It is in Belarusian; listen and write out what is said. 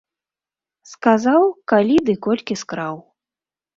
Сказаў, калі ды колькі скраў.